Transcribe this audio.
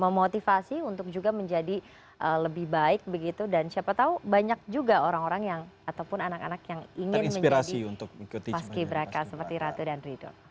memotivasi untuk juga menjadi lebih baik begitu dan siapa tahu banyak juga orang orang yang ataupun anak anak yang ingin menjadi paski braka seperti ratu dan ridho